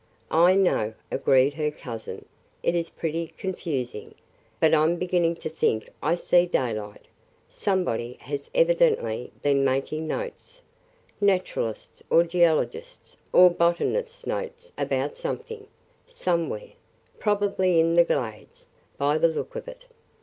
"I know," agreed her cousin, "it is pretty confusing, but I 'm beginning to think I see daylight. Somebody has evidently been making notes – Naturalist's or geologist's or botanist's notes about something, somewhere – probably in the Glades, by the look of it.